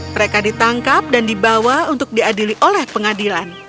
mereka ditangkap dan dibawa untuk diadili oleh pengadilan